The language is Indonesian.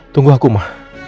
tunggu aku ma